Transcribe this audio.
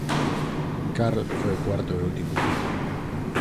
Carl foi o cuarto e último fillo.